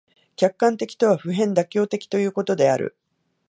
客観的とは普遍妥当的ということである。